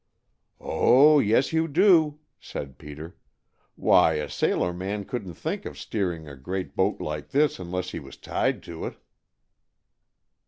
"Oh, yes, you do!" said Peter. "Why, a sailor man couldn't think of steering a great boat like this unless he was tied to it."